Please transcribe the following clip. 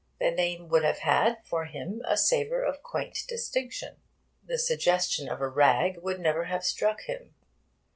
The name would have had for him a savour of quaint distinction. The suggestion of a rag would never have struck him.